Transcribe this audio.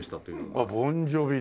あっボン・ジョヴィで。